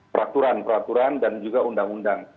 peraturan peraturan dan juga undang undang